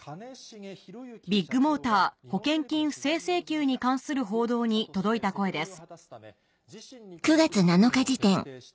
ビッグモーター保険金不正請求に関する報道に届いた声です